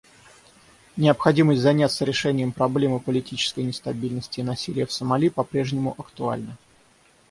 Необходимость заняться решением проблемы политической нестабильности и насилия в Сомали по-прежнему актуальна.